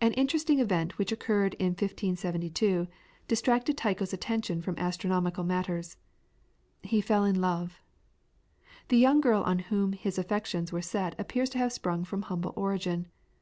An interesting event, which occurred in 1572, distracted Tycho's attention from astronomical matters. He fell in love. The young girl on whom his affections were set appears to have sprung from humble origin.